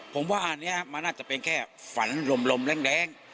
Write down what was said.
ผมว่าอันนี้มันน่าจะเป็นแค่ฝันลมแรง